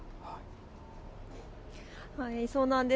そうなんです。